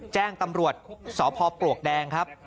แจ้งตำรวจสพปลวกแดงครับ